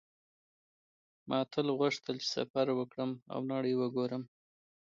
ما تل غوښتل چې سفر وکړم او نړۍ وګورم